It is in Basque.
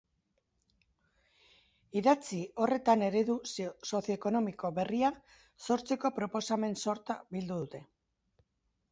Idatzi horretan eredu sozioekonomiko berria sortzeko proposamen sorta bildu dute.